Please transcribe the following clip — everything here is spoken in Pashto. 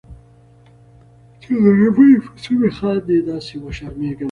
چې غریبۍ پسې مې خاندي داسې وشرمیږم